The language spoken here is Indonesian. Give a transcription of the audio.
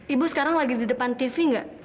ibu sekarang lagi di depan tv nggak